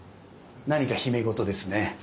何か秘め事ですね。